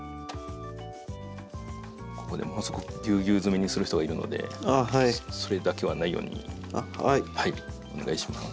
ここでものすごくぎゅうぎゅう詰めにする人がいるのでそれだけはないようにお願いします。